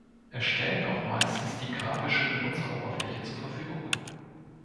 Er stellt auch meistens die grafische Benutzeroberfläche zur Verfügung.